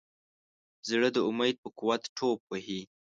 زړه د امید په قوت ټوپ وهي.